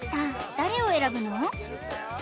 誰を選ぶの？